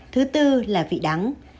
thứ tư là vị đắng